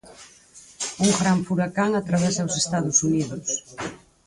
Un gran furacán atravesa os Estados Unidos.